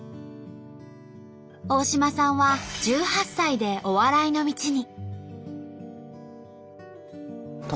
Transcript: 大島さんは１８歳でお笑いの道に。